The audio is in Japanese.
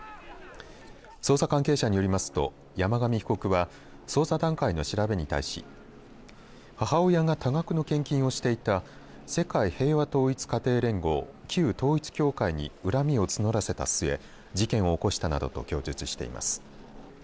捜査関係者によりますと山上被告は捜査段階の調べに対し母親が多額の献金をしていた世界平和統一家庭連合旧統一教会に恨みを募らせた末事件を起こしたなどと供述しています。